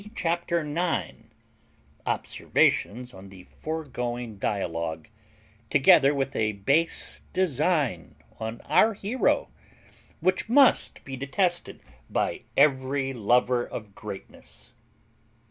CHAPTER NINE OBSERVATIONS ON THE FOREGOING DIALOGUE, TOGETHER WITH A BASE DESIGN ON OUR HERO, WHICH MUST BE DETESTED BY EVERY LOVER OF GREATNESS.